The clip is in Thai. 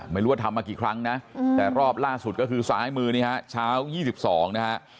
ไม่รู้ว่าทำมากี่ครั้งนะแต่รอบล่าสุดก็คือซ้ายมือนี่ฮะเช้า๒๒นะฮะ